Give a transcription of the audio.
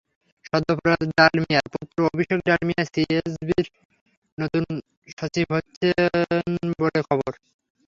সদ্য প্রয়াত ডালমিয়ার পুত্র অভিষেক ডালমিয়া সিএবির নতুন সচিব হচ্ছেন বলে খবর।